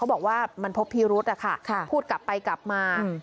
เขาบอกว่ามันพบพิรุษอะค่ะค่ะพูดกลับไปกลับมาอืม